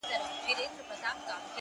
پر بل مخ سوه هنګامه په یوه آن کي٫